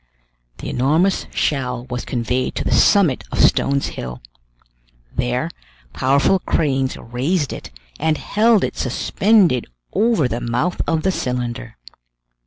The enormous shell was conveyed to the summit of Stones Hill. There, powerful cranes raised it, and held it suspended over the mouth of the cylinder.